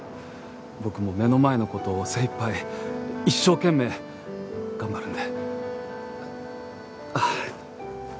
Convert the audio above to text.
僕も目の前の事を精いっぱい一生懸命頑張るんで。